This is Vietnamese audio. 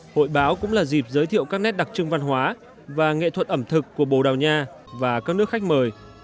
hội báo cũng là dịp giới thiệu các nét đặc trưng văn hóa và nghệ thuật ẩm thực của bồ đào nha và các nước khách mời